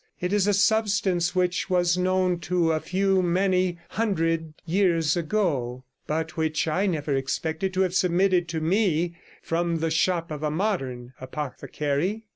It is a substance which was known to a few many hundred years ago, but which I never expected to have submitted to me from the shop of a modern apothecary.